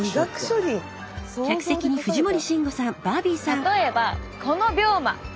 例えばこの病魔。